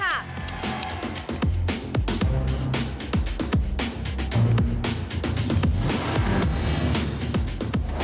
ผู้ตำรัฐแรงผุมสมุมแรก